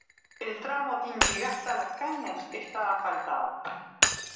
El tramo Tintigasta-Las Cañas está asfaltado.